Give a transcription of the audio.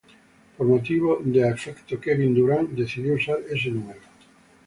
Por motivo de afecto Kevin Durant decidió usar ese número.